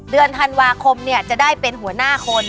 เดือนธันวาคมจะได้เป็นหัวหน้าคน